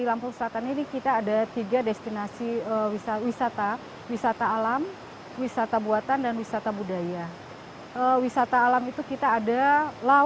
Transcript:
lampung selatan ini kita ada tiga destinasi wisata wisata alam wisata buatan dan wisata budaya